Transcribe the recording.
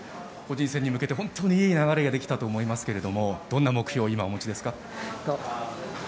個人戦に向けて本当にいい流れができたと思いますがどんな目標を今お持ちですか。